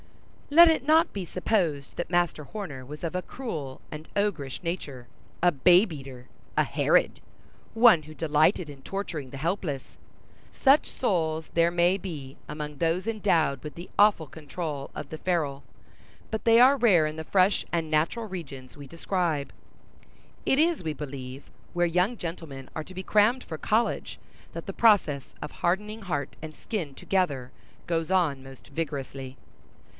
Let it not be supposed that Master Horner was of a cruel and ogrish nature—a babe eater—a Herod—one who delighted in torturing the helpless. Such souls there may be, among those endowed with the awful control of the ferule, but they are rare in the fresh and natural regions we describe. It is, we believe, where young gentlemen are to be crammed for college, that the process of hardening heart and skin together goes on most vigorously.